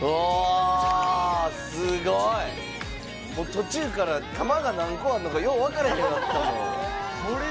途中から玉が何個あるのかよう分からんようになったもん。